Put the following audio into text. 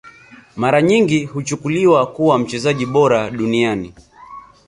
Mara nyingi huchukuliwa kuwa mchezaji bora duniani